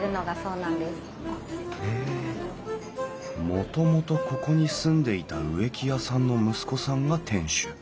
もともとここに住んでいた植木屋さんの息子さんが店主。